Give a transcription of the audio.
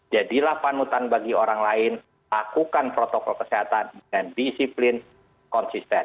jadilah panutan bagi orang lain lakukan protokol kesehatan dengan disiplin konsisten